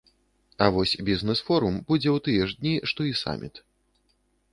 А вось бізнес-форум будзе ў тыя ж дні, што і саміт.